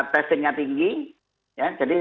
testingnya tinggi jadi